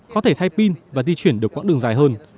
có thể thay pin và di chuyển được quãng đường dài hơn